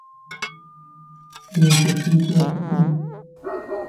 Ekyo kiyitibwa kitulu.